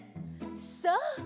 そう！